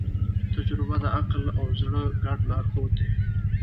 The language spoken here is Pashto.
تجربه د عقل او زړه ګډ لارښود دی.